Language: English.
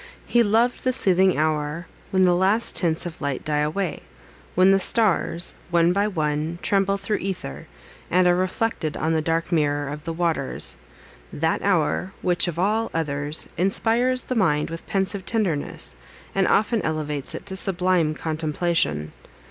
He loved the soothing hour, when the last tints of light die away; when the stars, one by one, tremble through æther, and are reflected on the dark mirror of the waters; that hour, which, of all others, inspires the mind with pensive tenderness, and often elevates it to sublime contemplation.